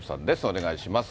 お願いします。